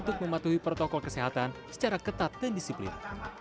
dengan protokol kesehatan yang kita patuhi secara ketat dan disiplin